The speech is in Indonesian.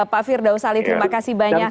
pak firdaus ali terima kasih banyak